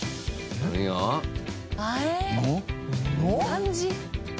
漢字？